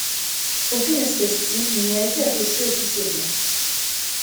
Aucune espèce-type n'y a été associée officiellement.